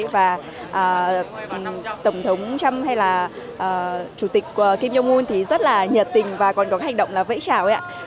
và tổng thống trump hay là chủ tịch kim jong un thì rất là nhiệt tình và còn có hành động là vẫy trào ấy ạ